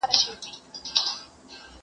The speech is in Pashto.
زه له سهاره درسونه لوستل کوم!!